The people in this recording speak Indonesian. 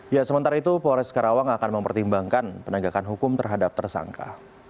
ya sementara itu polres karawang akan mempertimbangkan penegakan hukum terhadap tersangka